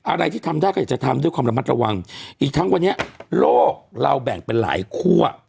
อะไรที่ทำได้ก็อยากจะทำด้วยความระมัดระวังอีกทั้งวันนี้โลกเราแบ่งเป็นหลายคั่ว